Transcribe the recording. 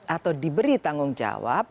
atau diberi tanggung jawab